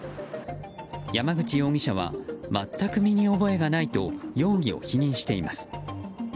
山口容疑者は全く身に覚えがないと容疑を否認しています。